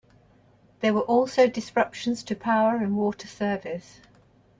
There were also disruptions to power and water service.